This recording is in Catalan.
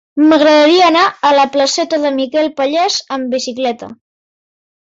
M'agradaria anar a la placeta de Miquel Pallés amb bicicleta.